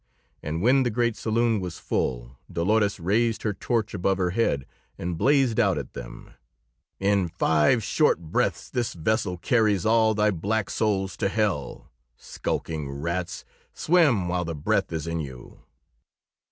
And when the great saloon was full, Dolores raised her torch above her head and blazed out at them: "In five short breaths this vessel carries all thy black souls to hell! Skulking rats, swim while the breath is in you!"